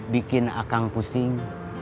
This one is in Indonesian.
bikin ah kang pusing